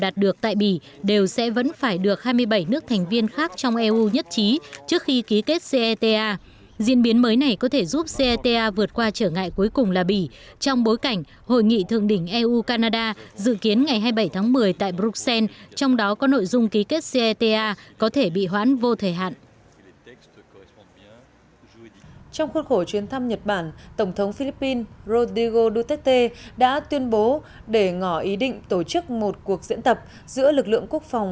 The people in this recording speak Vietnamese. trong khuôn khổ chuyến thăm nhật bản tổng thống philippines rodrigo duterte đã tuyên bố để ngỏ ý định tổ chức một cuộc diễn tập giữa lực lượng quốc phòng của philippines và nhật bản